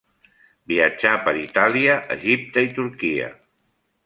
Viatjà per Itàlia, Egipte i Turquia.